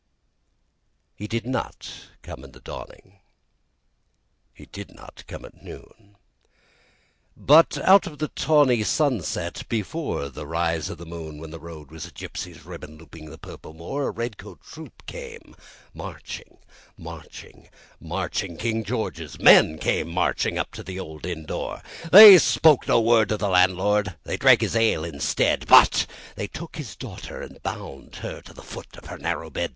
He did not come in the dawning; he did not come at noon. And out of the tawny sunset, before the rise of the moon, When the road was a gypsy's ribbon over the purple moor, The redcoat troops came marching Marching marching King George's men came marching, up to the old inn door. They said no word to the landlord; they drank his ale instead, But they gagged his daughter and bound her to the foot of her narrow bed.